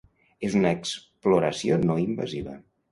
És una exploració no invasiva.